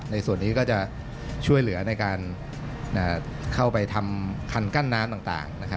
ในส่วนนี้ก็จะช่วยเหลือในการเข้าไปทำคันกั้นน้ำต่าง